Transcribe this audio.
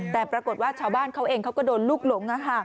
แต่ปรากฏว่าชาวบ้านเขาเองเขาก็โดนลูกหลง